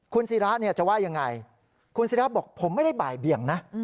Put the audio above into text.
คุณศิราจะว่ายังไงคุณศิราบอกผมไม่ได้บ่ายเบี่ยงนะ